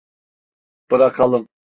Bırakalım.